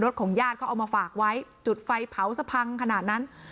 ของญาติเขาเอามาฝากไว้จุดไฟเผาสะพังขนาดนั้น